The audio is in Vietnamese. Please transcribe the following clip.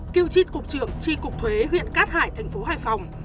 kiêu chít cục trưởng tri cục thuế huyện cát hải tp hai phòng